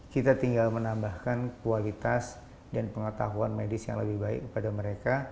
kita tinggal menambahkan kualitas dan pengetahuan medis yang lebih baik kepada mereka